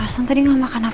jangan papa kena